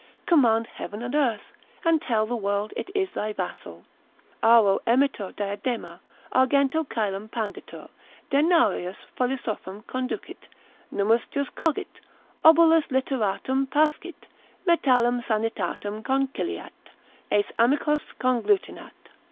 command heaven and earth, and tell the world it is thy vassal, auro emitur diadema, argento caelum panditur, denarius philosophum conducit, nummus jus cogit, obolus literatum pascit, metallum sanitatem conciliat, aes amicos conglutinat.